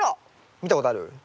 見たことある？